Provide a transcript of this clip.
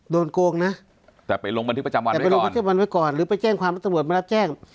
โดนโกงนะแต่ไปลงบันทึกประจำวันไว้ก่อนหรือไปแจ้งความรับตรวจมารับแจ้ง